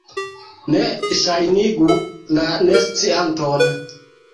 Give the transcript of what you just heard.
Ne ŝajnigu la nescianton.